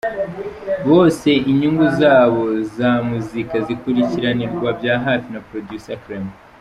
Bose inyungu zabo za muzika zikurikiranirwa bya hafi na Producer Clement.